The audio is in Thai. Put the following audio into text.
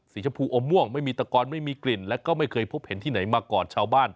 ชมพูอมม่วงไม่มีตะกอนไม่มีกลิ่นและก็ไม่เคยพบเห็นที่ไหนมาก่อนชาวบ้าน